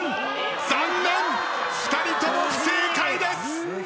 残念２人とも不正解です。